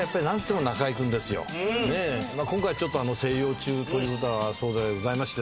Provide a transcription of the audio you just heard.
今回ちょっと静養中だそうでございまして。